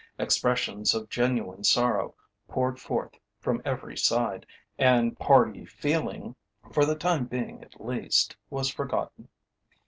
Expressions of genuine sorrow poured forth from every side, and party feeling, for the time being at least, was forgotten.